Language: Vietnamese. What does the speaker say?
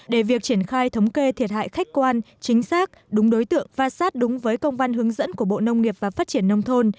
để việc triển khai thống kê thiệt hại khách quan chính xác đúng đối tượng và sát đúng với công văn hướng dẫn của bộ nông nghiệp và phát triển nông thôn